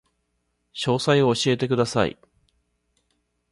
詳細を教えてください